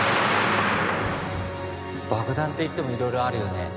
爆弾っていってもいろいろあるよね。